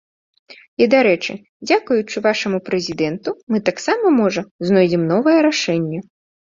І, дарэчы, дзякуючы вашаму прэзідэнту, мы таксама, можа, знойдзем новае рашэнне!